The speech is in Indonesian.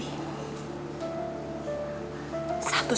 satu satunya yang paling berharga di hidupku